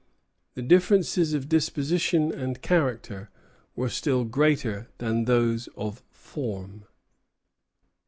The differences of disposition and character were still greater than those of form.